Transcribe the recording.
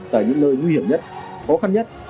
tại những nơi nguy hiểm nhất khó khăn nhất